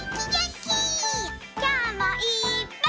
きょうもいっぱい。